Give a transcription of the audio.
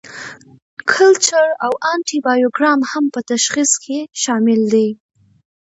کلچر او انټي بایوګرام هم په تشخیص کې شامل دي.